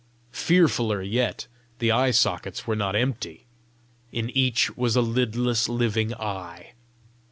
Fearfuller yet, the eye sockets were not empty; in each was a lidless living eye!